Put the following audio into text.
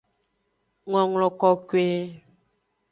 Ngonglo kokoe.